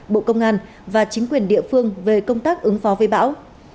bộ công an và chính quyền địa phương về công tác ứng phó với bão